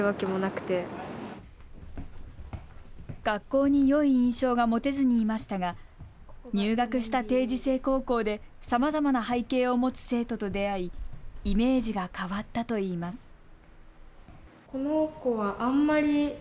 学校によい印象が持てずにいましたが入学した定時制高校でさまざまな背景を持つ生徒と出会いイメージが変わったといいます。